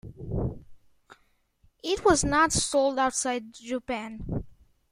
It was not sold outside Japan.